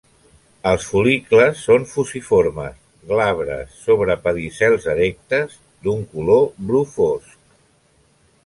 Els fol·licles són fusiformes, glabres, sobre pedicels erectes, d'un color bru fosc.